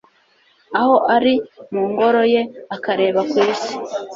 aho ari mu Ngoro ye akareba ku isi